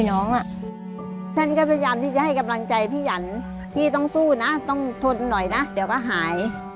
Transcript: เวลาจะเข้า